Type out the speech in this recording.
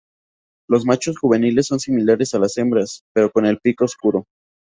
Los machos juveniles son similares a las hembras, pero con el pico oscuro.